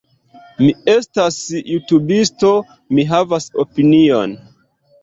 Mi estas jutubisto. Mi havas opinion.